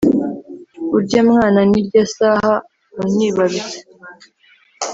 urya mwanya n'irya saha wanyibarutse